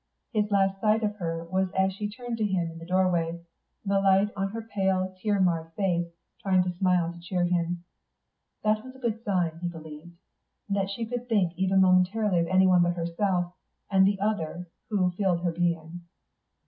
His last sight of her was as she turned to him in the doorway, the light on her pale, tear marred face, trying to smile to cheer him. That was a good sign, he believed, that she could think even momentarily of anyone but herself and the other who filled her being.